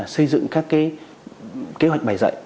xây dựng các cái kế hoạch bài dạy